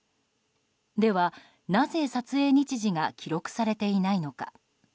では、なぜ撮影日時が記録されていないのか。